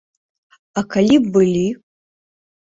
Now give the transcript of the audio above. А калі б былі?